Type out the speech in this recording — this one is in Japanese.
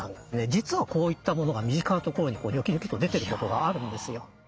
実はこういったものが身近なところにニョキニョキと出てることがあるんですよ。